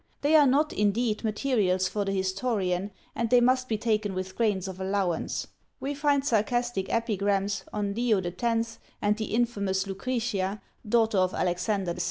They are not, indeed, materials for the historian, and they must be taken with grains of allowance. We find sarcastic epigrams on Leo X., and the infamous Lucretia, daughter of Alexander VI.